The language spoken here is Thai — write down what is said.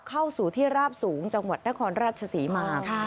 เข้าสู่ที่ราบสูงจังหวัดนครราชศรีมา